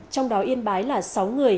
trong đó yên bái là sáu người